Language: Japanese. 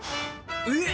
えっ！